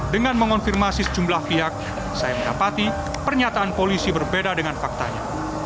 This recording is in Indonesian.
dengan mengonfirmasi sejumlah pihak saya mendapati pernyataan polisi berbeda dengan faktanya